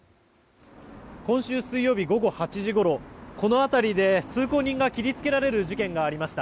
今週水曜日、午後８時ごろこの辺りで通行人が切りつけられる事件がありました。